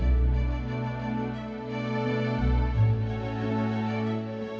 saya pasti politicians perempuan perani